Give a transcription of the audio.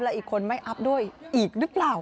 และอีกคนไม่อัพด้วยอีกหรือเปล่า